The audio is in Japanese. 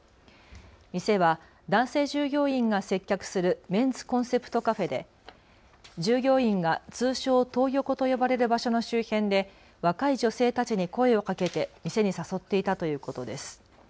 店は男性従業員が接客するメンズコンセプトカフェで従業員が通称トー横と呼ばれる場所の周辺で若い女性たちに声をかけて店に誘っていたということです。